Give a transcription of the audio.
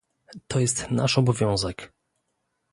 To jest nasz obowiązek